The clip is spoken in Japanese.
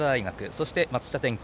そして、松下電器